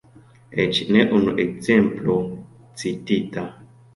Eĉ ne unu ekzemplo citita.